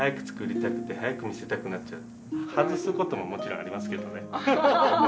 外すことももちろんありますけどね。